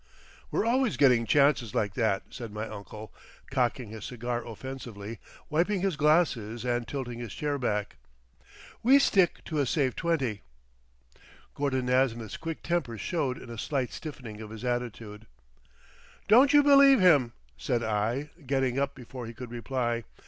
"We're always getting chances like that," said my uncle, cocking his cigar offensively, wiping his glasses and tilting his chair back. "We stick to a safe twenty." Gordon Nasmyth's quick temper showed in a slight stiffening of his attitude. "Don't you believe him," said I, getting up before he could reply.